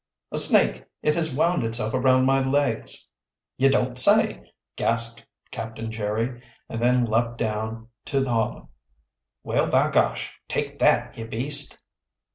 "A snake! It has wound itself around my legs!" "Ye don't say!" gasped Captain Jerry, and then leaped down to the hollow. "Well, by gosh! Take that, ye beast!"